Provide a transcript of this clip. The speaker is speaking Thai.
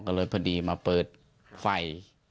ก็เลยพอดีมาเปิดไฟ